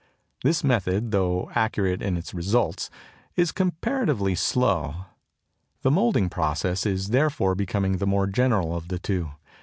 This method, though accurate in its results, is comparatively slow. The moulding process is therefore becoming the more general of the two.